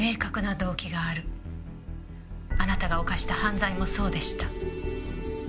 あなたが犯した犯罪もそうでした。